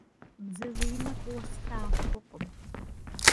Бдзэжьеимэр фӏыуэ слъагъу хъукъым.